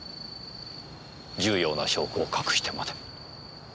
重要な証拠を隠してまで。